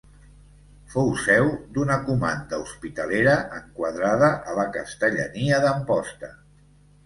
Fou seu d'una comanda hospitalera enquadrada a la Castellania d'Amposta.